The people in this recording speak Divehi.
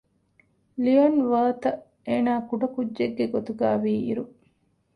ލިއޮން ވާރތަށް އޭނާ ކުޑަކުއްޖެއްގެ ގޮތުގައިވީ އިރު